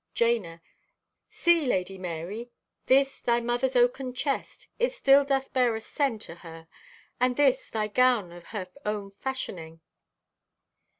(Jana) "See, Lady Marye! This, thy mother's oaken chest, it still doth bear a scent o' her. And this, thy gown o' her own fashioning."